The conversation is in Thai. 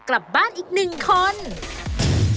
กลับไปก่อนเลยนะครับ